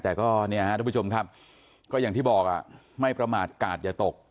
แต่ก็เนี่ยฮะทุกผู้ชมครับก็อย่างที่บอกไม่ประมาทกาดอย่าตก